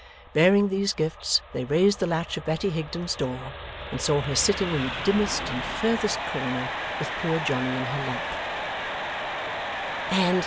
Bearing these gifts, they raised the latch of Betty Higden's door, and saw her sitting in the dimmest and furthest corner with poor Johnny in her lap.